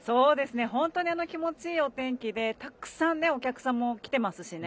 本当に気持ちいいお天気でたくさんお客さんも来てますしね。